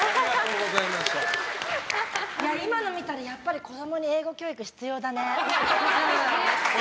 今の見たらやっぱり子供に英語教育、必要だね。